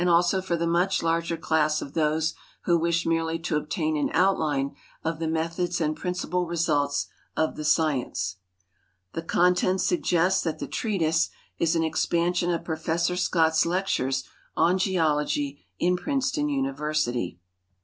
<o for the much larger class of those who wish merely to obtain an outline of the methods and principal results of the science." The contents suggest that the treatise, is an expansion of Professor Scott's lectures on geology in Prince ton Universitv.